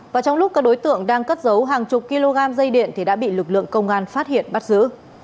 và trong lúc các đối tượng đang cất giấu hàng chục kg dây điện thì đã bị lực lượng công an phát hiện bắt giữ